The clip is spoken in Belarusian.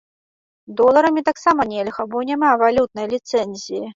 Доларамі таксама нельга, бо няма валютнай ліцэнзіі.